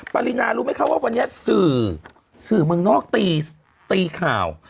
ปรินารู้ไหมคะว่าวันนี้สื่อสื่อเมืองนอกตีตีข่าว